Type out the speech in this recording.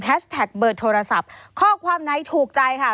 แฮชแท็กเบิร์ดโทรศัพท์ข้อความไหนถูกใจค่ะ